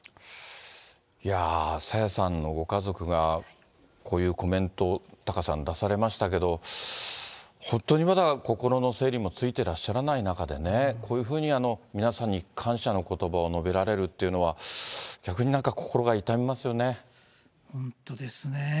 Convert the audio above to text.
いやぁ、朝芽さんのご家族がこういうコメント、タカさん、出されましたけど、本当にまだ、心の整理もついてらっしゃらない中でね、こういうふうに皆さんに感謝のことばを述べられるっていうのは、本当ですね。